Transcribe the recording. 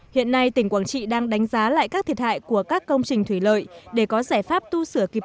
hiện nay tỉnh quảng trị đang đánh giá lại các thiệt hại của các công trình thủy lợi để có giải pháp tu sửa kịp